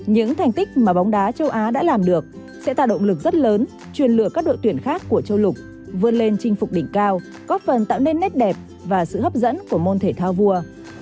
những thành tích mà bóng đá châu á đã làm được sẽ tạo động lực rất lớn chuyên lửa các đội tuyển khác của châu lục vươn lên chinh phục đỉnh cao góp phần tạo nên nét đẹp và sự hấp dẫn của môn thể thao vua